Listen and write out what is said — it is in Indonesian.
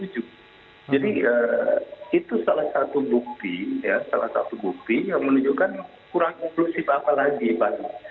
jadi itu salah satu bukti salah satu bukti yang menunjukkan kurang inklusif apa lagi pak muzir